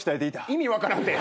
意味分からんて。